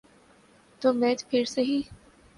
تو میچ پھر سہی۔